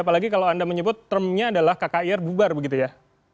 apalagi kalau anda menyebut termnya adalah kkir bubar begitu ya